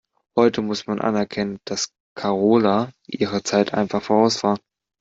Heute muss man anerkennen, dass Karola ihrer Zeit einfach voraus war.